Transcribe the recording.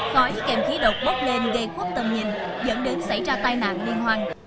khói kèm khí độc bốc lên gây khuất tầm nhìn dẫn đến xảy ra tai nạn liên hoàn